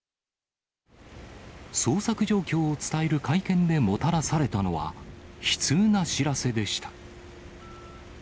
捜索状況を伝える会見でもたらされたのは、悲痛な知らせでした。